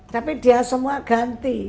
tapi dia semua ganti